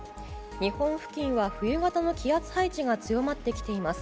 日本付近は、冬型の気圧配置が強まってきています。